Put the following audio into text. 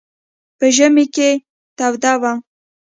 په ژمي کې توده وه.